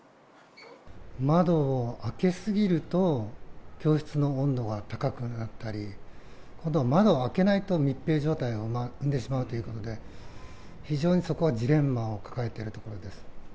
窓を開け過ぎると、教室の温度が高くなったり、今度は窓を開けないと密閉状態を生んでしまうということで、非常にそこはジレンマを抱えているところです。